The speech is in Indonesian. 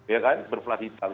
ya kan berplat hitam